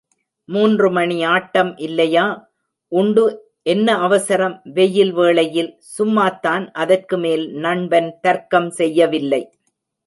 மூன்றுமணி ஆட்டம் இல்லையா? உண்டு என்ன அவசரம், வெயில் வேளையில்? சும்மாத்தான். அதற்கு மேல் நண்பன் தர்க்கம் செய்யவில்லை.